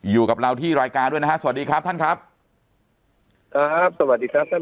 อยู่กับเราที่รายการด้วยนะฮะสวัสดีครับท่านครับครับสวัสดีครับท่าน